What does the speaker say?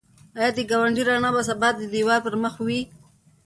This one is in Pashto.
ایا د ګاونډي رڼا به سبا بیا د دېوال پر مخ وي؟